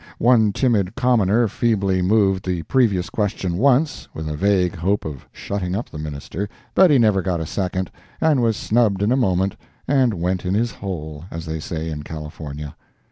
One timid Commoner feebly moved the previous question once, with a vague hope of shutting up the Minister, but he never got a second, and was snubbed in a moment, and "went in his hole," as they say in California.